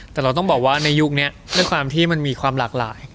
แต่เราต้องบอกว่าในยุคนี้ด้วยความที่มันมีความหลากหลาย